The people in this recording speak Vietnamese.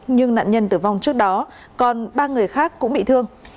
nhưng nạn nhân tử vong trước đó còn ba người khác cũng bị thương